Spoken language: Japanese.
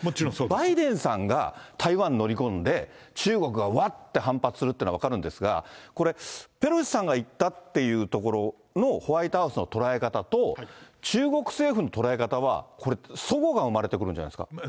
バイデンさんが台湾乗り込んで、中国がわって反発するっていうのは分かるんですが、これ、ペロシさんが行ったっていうところのホワイトハウスの捉え方と、中国政府の捉え方は、これ、そごが生まれてくるんじゃないですか。